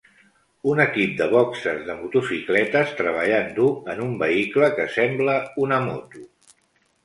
Un equip de boxes de motocicletes treballant dur en un vehicle que sembla una moto.